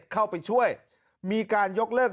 เข้าไปช่วยมีการยกเลิก